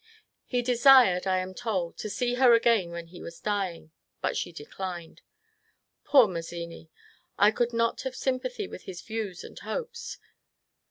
He desired, I am told, to see her again when he was dying, but she declined. Poor Mazzini! I could not have sympathy with his views and hopes.